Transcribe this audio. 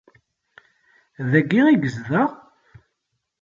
Dagi i yezdeɣ?